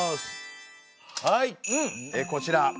はいこちら。